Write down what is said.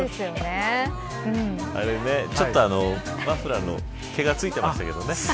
ちょっとマフラーの毛がついてましたけどね。